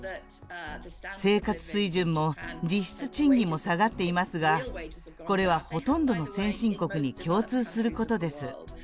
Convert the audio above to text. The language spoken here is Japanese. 生活水準も実質賃金も下がっていますが、これはほとんどの先進国に共通することです。